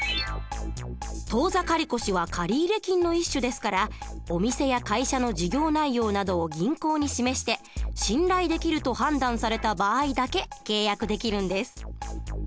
当座借越は借入金の一種ですからお店や会社の事業内容などを銀行に示して「信頼できる」と判断された場合だけ契約できるんです。